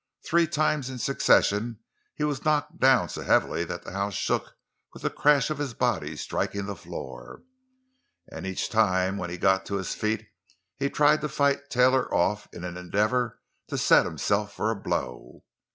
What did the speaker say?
Three times in succession he was knocked down so heavily that the house shook with the crash of his body striking the floor, and each time when he got to his feet he tried to fight Taylor off in an endeavor to set himself for a blow.